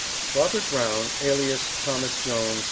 ROBERT BROWN, ALIAS THOMAS JONES.